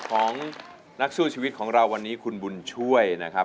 หัวใจวิวก็พร้อมเสียว่า